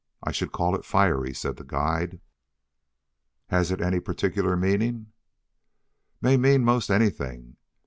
I should call it fiery," said the guide. "Has it any particular meaning?" "May mean most anything.